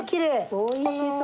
おいしそう。